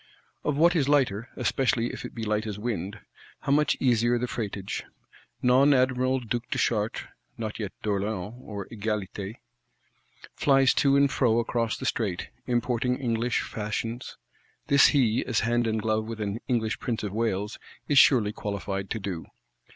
Of what is lighter, especially if it be light as wind, how much easier the freightage! Non Admiral Duke de Chartres (not yet d'Orléans or Egalité) flies to and fro across the Strait; importing English Fashions; this he, as hand and glove with an English Prince of Wales, is surely qualified to do.